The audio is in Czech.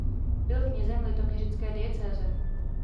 Byl knězem litoměřické diecéze.